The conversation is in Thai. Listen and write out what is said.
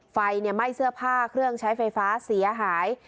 ไฟไหม้เสื้อผ้าเครื่องใช้ไฟฟ้าเสียหาย